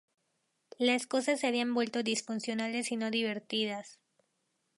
Las cosas se habían vuelto disfuncionales y no divertidas.".